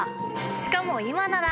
しかも今なら！